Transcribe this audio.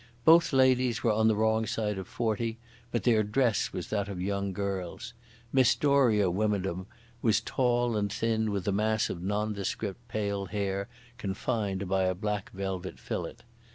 Both ladies were on the wrong side of forty, but their dress was that of young girls. Miss Doria Wymondham was tall and thin with a mass of nondescript pale hair confined by a black velvet fillet.